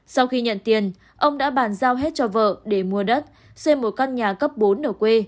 sau khi nhận tiền ông đã bàn giao hết cho vợ để mua đất xây một căn nhà cấp bốn ở quê